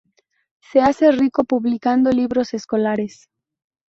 Se hace rico publicando libros escolares.